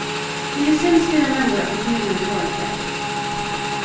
He has since been a member of the Committee on Foreign Affairs.